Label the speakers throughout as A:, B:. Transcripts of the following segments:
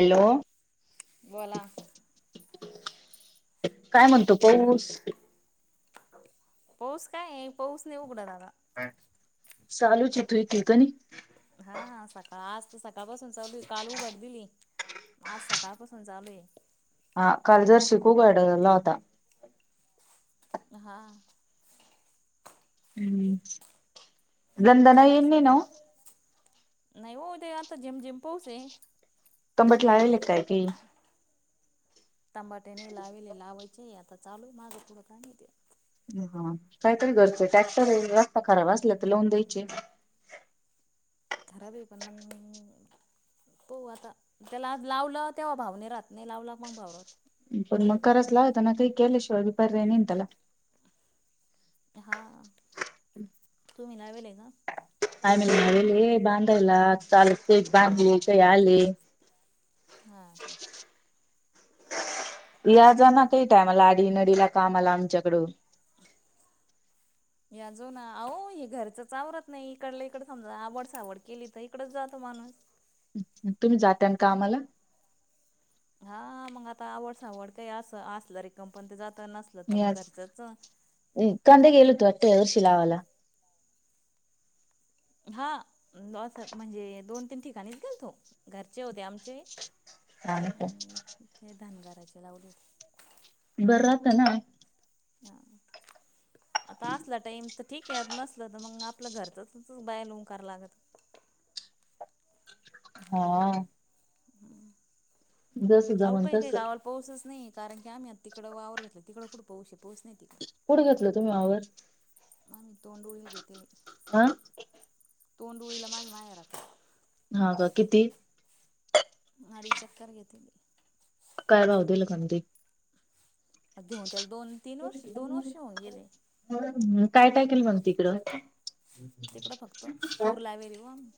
A: Hello.
B: बोला.
A: काय म्हणतो पाऊस?
B: पऊस काय पाऊस नई उघडल आता.
A: काय, चालूच ये तु इथे कनी.
B: हा हा सकाळ आज तर सकाळपासून चालूये काल उघड दिली. आज सकाळपासून चालुये.
A: हा काल जर शीखू गाडलेला होता.
B: हा.
A: हम्म.
B: झाला का स्वयंपाक? नाही हो ते आता झेम झेम पाऊस ये.
A: [unintelligible]
B: तेबाट्याने लावेले लावायचे आता चालू माझं फूडं काय नाही दे.
A: हा काहीतरी घरचंय ट्रॅक्टर आहे रस्ता खराब असला तर लावून द्यायचे.
B: खराब आहे पण मग हो आता त्याला आज लावलं तेव्हा भावने राहत, नाही लावला मग भाव राहत.
A: पण मग कराच लावता मग ते केल्याशिवाय भी परर्याय नेन त्याला
B: हा.
A: [inaudible]
B: तुम्ही लावेेले का?
A: आम्ही लाविले बांधयला चालू केलंय. [unintelligible]
B: हा हा.
A: याज ना काही टायमला आडी नडीला कामला आमच्याकड
B: याजो ना अहो हे घरचंच आवरत नाही इकडला इकड समजा आवड सावड केली तर इकडच जातो माणूस
A: तुम्ही जाता कामाला
B: हा मग आता आवड सावड काही असल असल तर पण जाते जात नसल
A: मी अज कांदे गेलो होतो. त्या दिवशी लावायला
B: हा अस म्हणजे दोन, तीन ठिकाणीच गेलतो घरचे होते आमचे
A: हा का
B: आणि ते धनगारचे लावले.
A: बर राहत ना.
B: हा आता असला टाइम तर ठीक आहे. नसलं तर मग आपलं घरचच बाय लावून कराय लागत.
A: हा
B: हम्म.
A: जस
B: आवो
A: जमन
B: काय
A: तस
B: काय गावाला. पाऊसच नाही कारण की आम्ही आ तिकडं वावर घेतला तिकं कुठं पाऊस ये पाऊस नाही तिकड
A: कुठे घेतलं तुम्ही वावर
B: आम्ही तोंडवली घेतलं.
A: आ
B: तोंडुळीला माझ्या मायारात.
A: हा का किती?
B: अडीच एकर घेतली.
A: काय भाव दिले.
B: घेऊन त्याला दोन तीन वर्ष, दोन वर्षे होऊन गेले.
A: काय काय केलं मग तिकडं
B: तिकडं फक्त तूर लावेलआमी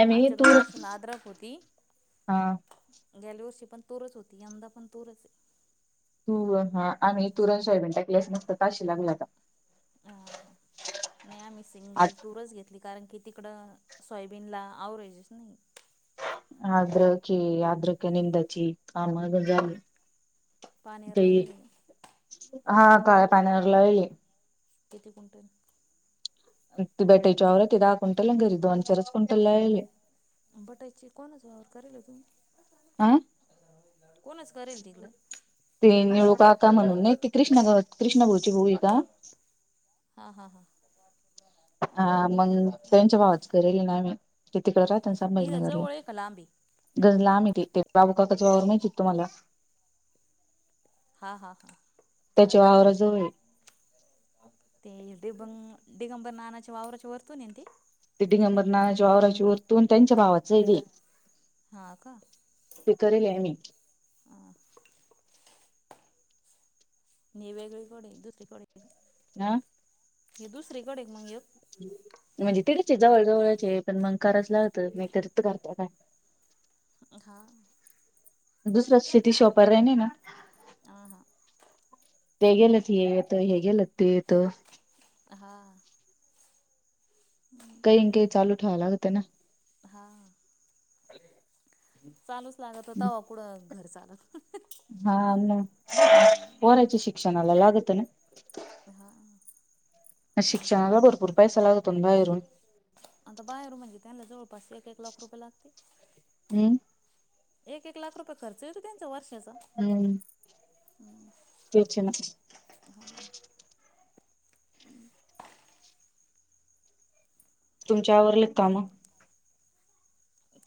A: आम्ही
B: आजच्या
A: तू
B: दोन वर्षां आद्रक होती.
A: हा
B: गेल्या वर्षी पण तूरच होती यंदा पण तूरच
A: तूर हा आम्ही तुरं आणि सोयाबीन टाकली. हाताशी लागली आता
B: हा हा नाही आम्ही
A: आ
B: सिंगल तूरच घेत कारण की तिकड सोयाबीनला ऍव्हरेजच नाही.
A: अद्रक ची अणि आद्रक
B: हा
A: [unintelligible] [unintelligible]
B: पाण्यावर
A: तेई
B: लावेल
A: हा काळया पाण्यावर लावले.
B: किती क्विंटल.
A: [unintelligible] दहा कुंटल आणि घरी दोन-चारच कुंटल लाविले.
B: बटायची कोणच वावर करेल तुम्ही
A: आं
B: कोणच करेल तिकडं
A: ते निळू काका म्हणून नाही ते कृष्णा भाऊची कृष्णा भाऊ आहे का
B: हा हा हा.
A: हा मग त्यांच्या भावाच करेल ना आम्ही, ते तिकडे राहतना
B: इथं
A: संभाजीनगरला.
B: जवळ आहे का लांब आहे
A: घर लांब येते, बाबू काकाचं वावर माहितीय का तुम्हाला?
B: हा हा हा
A: त्याच्या वावरा जवळ आहे.
B: ते दिगं दिगंबर नानाच्या वावराच्या वरतून आहे ना ते?
A: ते
B: नाही
A: दिगंबरनानाच्या वावराच्या वरतून त्यांच्या भावाचं तेे.
B: हां का? आ आणि वेगळीकडे दुसरीकड हाय का?
A: हा
B: हे दुसरीकडे का मग एक?
A: म्हणजे तितच आहे जवळ जवळचे पण मग करायच लागत मी कर करत काय?
B: हा
A: दुसरा शेती शिवाय पर्याय नाही ना.
B: आ हा.
A: ते गेलं त हे येतं, हे गेलं त ते येतं.
B: हा हम्म
A: इंके चालू ठेवाय लागते ना.
B: हा
A: [inaudible]
B: चालूच लागत, तवा कुठं घर चालतं.
A: हा मग, पोराच्या शिक्षणाला लागत ना.
B: हा
A: आन शिक्षणाला भरपूर पैसा लागतो ना बाहेरून.
B: आता बाहेरून म्हणजे त्यांना जवळपास एक एक लाख रुपये लागते.
A: हम्म
B: एक एक लाख रुपये खर्च येतो त्यांचा वर्षाचा.
A: हम्म
B: हम्म
A: तेच आहे ना
B: हा
A: तुमची आवरले का कामं?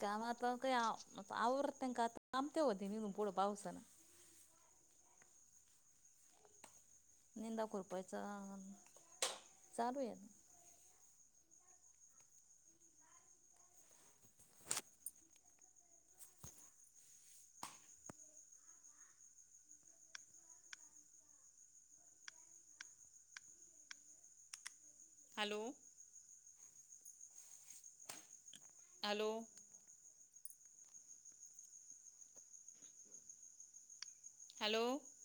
B: कामं आता काय आता आव आवरतंय, का त्यां आता काम तेन कुठं होतंय पावसानं? निंदा खुरपायचा, चालू आहे. हॅलो! हॅलो! हॅलो!